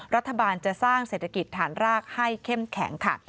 รัฐบาลจะสร้างเศรษฐกิจฐานรากให้เข้มแข็งค่ะ